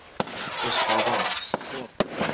عشق آباد